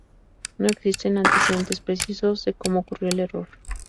No existen antecedentes precisos de como ocurrió el error.